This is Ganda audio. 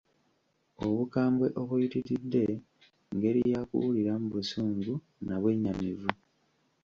Obukambwe obuyitiridde ngeri ya kuwuliramu busungu na bwennyamivu.